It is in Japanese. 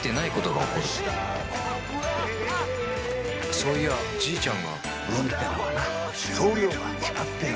そういやじいちゃんが運ってのはな量が決まってるんだよ。